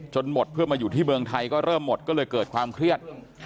หมดเพื่อมาอยู่ที่เมืองไทยก็เริ่มหมดก็เลยเกิดความเครียด